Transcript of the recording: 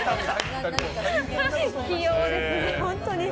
器用ですね、本当に。